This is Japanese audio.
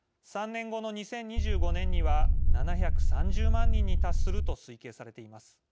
３年後の２０２５年には７３０万人に達すると推計されています。